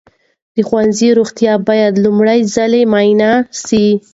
د ښوونځي روغتیا باید لومړي ځل کې معاینه سي.